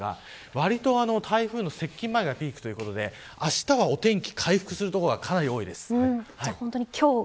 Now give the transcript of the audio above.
割と台風の接近前がピークということであしたはお天気回復する所がかなり多いです。